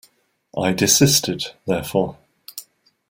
I desisted, therefore.